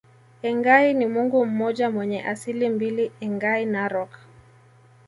Engai ni Mungu mmoja mwenye asili mbili Engai Narok